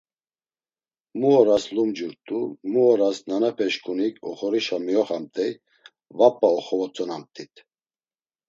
Mu oras lumcurt̆u, mu oras nanapeşǩunik oxorişa mioxamt̆ey va p̌a oxovotzonamt̆it.